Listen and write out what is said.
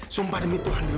sumpah demi tuhan dil